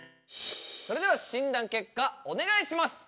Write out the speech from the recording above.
それでは診断結果お願いします！